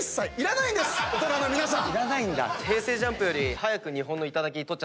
大人の皆さん。